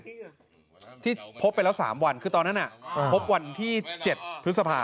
ที่พบไปแล้ว๓วันคือตอนนั้นพบวันที่๗พฤษภา